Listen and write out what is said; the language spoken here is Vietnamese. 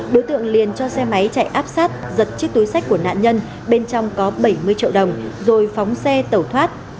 đối tượng liền cho xe máy chạy áp sát giật chiếc túi sách của nạn nhân bên trong có bảy mươi triệu đồng rồi phóng xe tẩu thoát